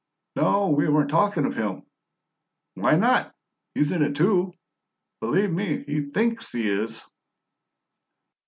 "No; we weren't talking of him." "Why not? He's in it, too. Bullieve me, he THINKS he is!"